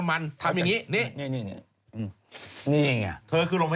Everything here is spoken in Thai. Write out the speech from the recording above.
ฟันทง